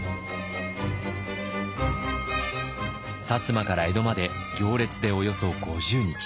摩から江戸まで行列でおよそ５０日。